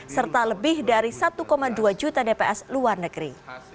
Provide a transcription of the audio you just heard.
serta lebih dari satu dua juta dps luar negeri